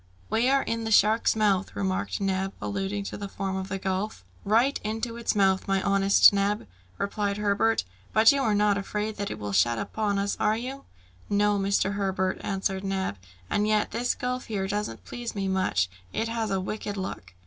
"We are in the shark's mouth," remarked Neb, alluding to the form of the gulf. "Right into its mouth, my honest Neb!" replied Herbert; "but you are not afraid that it will shut upon us, are you?" "No, Mr. Herbert," answered Neb; "and yet this gulf here doesn't please me much! It has a wicked look!"